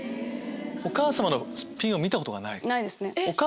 お母様のスッピンを見たことがない⁉